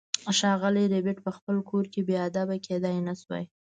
ښاغلی ربیټ په خپل کور کې بې ادبه کیدای نشوای